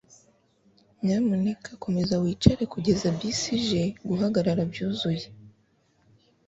nyamuneka komeza wicare kugeza bisi ije guhagarara byuzuye